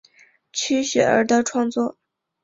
区雪儿的创作。